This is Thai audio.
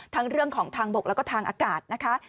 ทั้งเรื่องของทางบกและก็ทางอากาศ